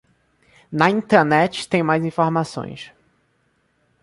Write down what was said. Na intranet tem mais informações